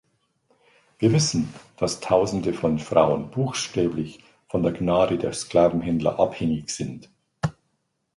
Wir wissen, dass Tausende von Frauen buchstäblich von der Gnade der Sklavenhändler abhängig sind.